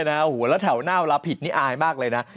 แล้วแถวหน้าพิษนี่อายมากเลยนะ